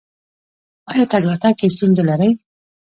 ایا تګ راتګ کې ستونزه لرئ؟